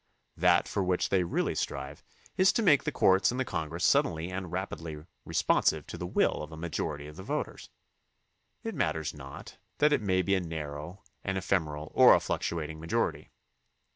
That for which they really strive is to make the courts and the Congress suddenly and rapidly responsive to the will of a majority of the voters. It matters not that it may be a narrow, an ephemeral, or a fluctuat ing majority.